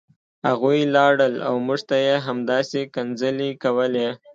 هغوی لاړل او موږ ته یې همداسې کنځلې کولې